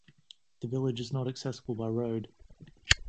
The village is not accessible by road.